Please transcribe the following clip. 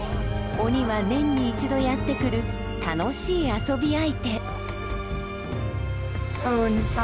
鬼は年に一度やってくる楽しい遊び相手。